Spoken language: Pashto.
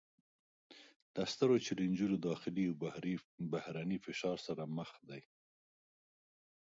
له سترو چلینجونو داخلي او بهرني فشار سره مخ دي